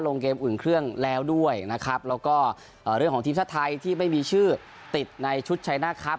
ลงเกมอุ่นเครื่องแล้วด้วยนะครับแล้วก็เรื่องของทีมชาติไทยที่ไม่มีชื่อติดในชุดชัยหน้าครับ